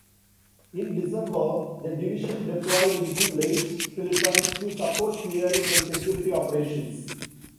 In December, the division deployed into Leyte, Philippines to support clearing and security operations.